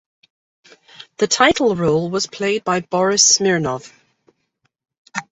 The title role was played by Boris Smirnov.